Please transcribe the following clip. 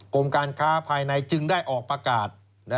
กรมการค้าภายในจึงได้ออกประกาศ